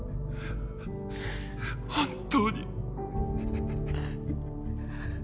本当に。